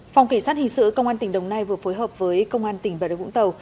phòng kỳ sát hình sự công an tỉnh đồng nai vừa phối hợp với công an tỉnh bà điều vũng tàu